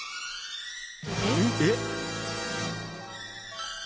えっ？